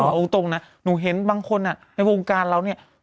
เอาตรงนะหนูเห็นบางคนในวงการเราเนี่ย